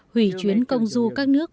hủy chuyến công du các nước